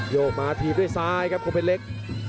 โยกมาถีบด้วยซ้ายครับโคเพชรเล็ก